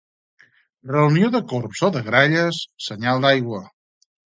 Reunió de corbs o de gralles, senyal d'aigua.